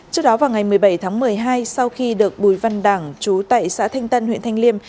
trước đó vào ngày một mươi bảy tháng một mươi hai sau khi được bùi văn đẳng chú tại xã thanh tân huyện thanh liêm